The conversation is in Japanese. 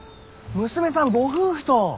娘さんご夫婦と。